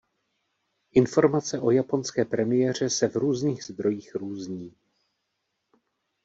Informace o japonské premiéře se v různých zdrojích různí.